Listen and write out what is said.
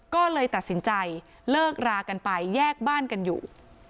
ก็เลยตัดสินใจเลิกรากันไปแยกบ้านกันอยู่